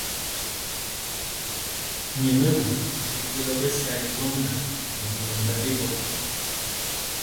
Nyɛmemɔ rikolo bɛsali ŋgomnaŋ nɛ boro mepempɔ.